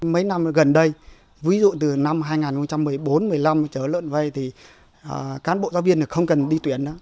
mấy năm gần đây ví dụ từ năm hai nghìn một mươi bốn một mươi năm trở lợn vây thì cán bộ giáo viên không cần đi tuyển nữa